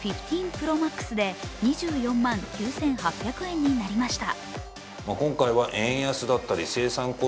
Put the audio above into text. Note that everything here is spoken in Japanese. ＰｒｏＭａｘで２４万９８００円になりました。